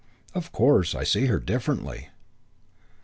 Of course I see her differently."